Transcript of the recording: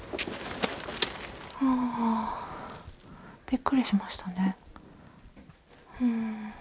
びっくりしましたね。